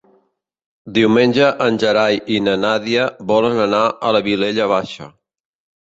Diumenge en Gerai i na Nàdia volen anar a la Vilella Baixa.